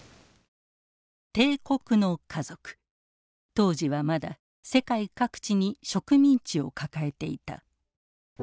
当時はまだ世界各地に植民地を抱えていた。